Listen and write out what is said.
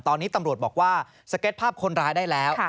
ตอนนี้ตำรวจบอกว่าสเก็ตภาพคนร้ายได้แล้ว